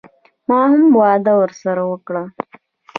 ما هم وعده ورسره وکړه.